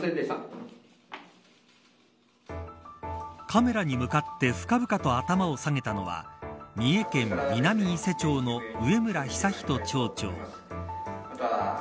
カメラに向かって深々と頭を下げたのは三重県南伊勢町の上村久仁町長。